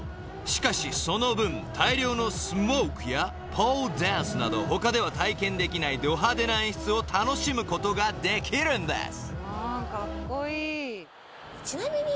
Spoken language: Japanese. ［しかしその分大量のスモークやポールダンスなど他では体験できないド派手な演出を楽しむことができるんです］